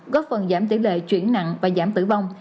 góp phần giảm tỷ lệ chuyển nặng và giảm tử vong